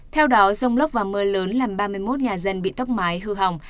theo đó rồng lốc và mưa lớn làm ba mươi một nhà dân bị tốc mái hư hỏng